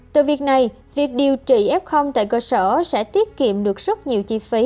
từ việc này việc điều trị f tại cơ sở sẽ tiết kiệm được rất nhiều chi phí